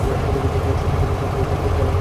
সূর্য গ্রহণ ছবির সংগীত পরিচালনা করেছেন রাজা শ্যাম।